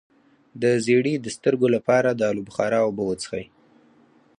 د زیړي د سترګو لپاره د الو بخارا اوبه وڅښئ